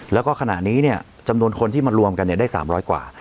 แล้วก็ขณะนี้จำนวนคนที่มารวมกันได้๓๐๐กว่า